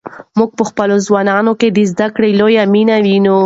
موږ په خپلو ځوانانو کې د زده کړې لویه مینه وینو.